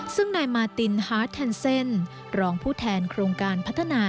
ซึ่งนายมาตินฮาร์ดแทนเซ่นรองผู้แทนโครงการพัฒนา